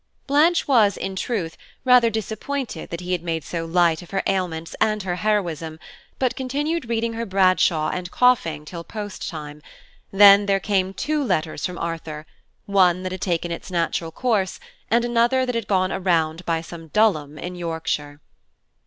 Blanche was, in truth, rather disappointed that he had made so light of her ailments and her heroism, but continued reading her Bradshaw and coughing till post time; then there came two letters from Arthur: one that had taken its natural course, and another that had gone a round by some Dulham in Yorkshire.